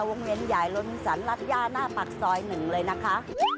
เวียนใหญ่ลนสรรรัฐย่าหน้าปากซอยหนึ่งเลยนะคะ